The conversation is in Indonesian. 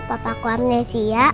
bapak aku amnesia